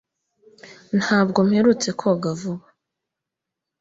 Ntabwo mperutse koga vuba